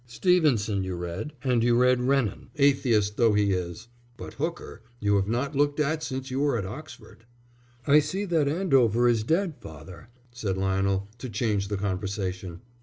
Stevenson you read, and you read Renan, atheist though he is; but Hooker you have not looked at since you were at Oxford." "I see that Andover is dead, father," said Lionel, to change the conversation.